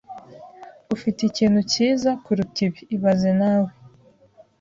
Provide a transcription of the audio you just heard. Ufite ikintu cyiza kuruta ibi ibaze nawe